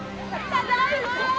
ただいま！